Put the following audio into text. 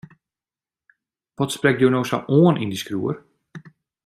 Wat sprekt jo no sa oan yn dy skriuwer?